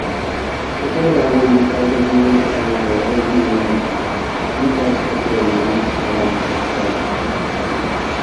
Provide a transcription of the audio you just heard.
Before dying, he told his main disciple, Urgyenpa, details concerning the next Karmapa's birth.